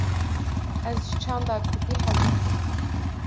Ez ji çanda kurdî hez dikim.